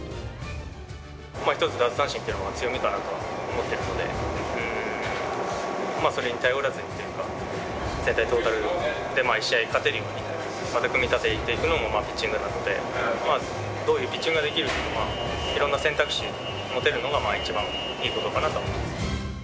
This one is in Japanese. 一つ、奪三振というのは強みかなとは思ってるので、それに頼らずにというか、全体、トータルで毎試合勝てるように、また組み立てていくのも、ピッチングなので、どういうピッチングができるのかとか、いろんな選択肢、持てるのが一番いいことかなとは思います。